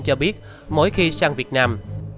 cho biết mỗi khi sang việt nam